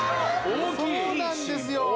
大きいそうなんですよ